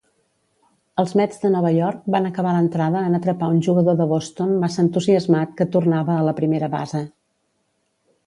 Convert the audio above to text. Els Mets de Nova York van acabar l'entrada en atrapar un jugador de Boston massa entusiasmat que tornava a la primera base.